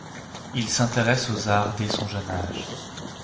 Il s’intéresse aux arts dès son jeune âge.